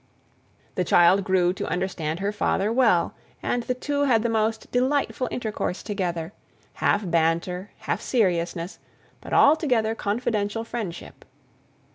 The child grew to understand her father well, and the two had the most delightful intercourse together half banter, half seriousness, but altogether confidential friendship.